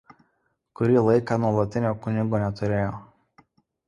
Kurį laiką nuolatinio kunigo neturėjo.